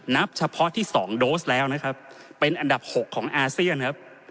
นับเฉพาะที่๒โดสแล้วนะครับเป็นอันดับ๖ของอาเซียนครับ